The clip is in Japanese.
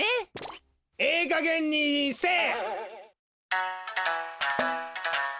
ええかげんにせえ！